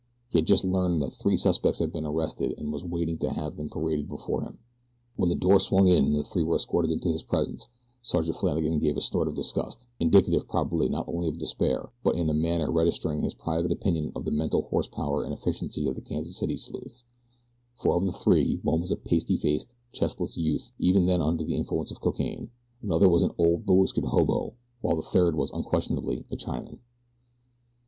He had just learned that three suspects had been arrested and was waiting to have them paraded before him. When the door swung in and the three were escorted into his presence Sergeant Flannagan gave a snort of disgust, indicative probably not only of despair; but in a manner registering his private opinion of the mental horse power and efficiency of the Kansas City sleuths, for of the three one was a pasty faced, chestless youth, even then under the influence of cocaine, another was an old, bewhiskered hobo, while the third was unquestionably a Chinaman.